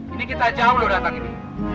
ini kita jauh loh datang ini